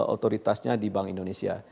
otoritasnya di bank indonesia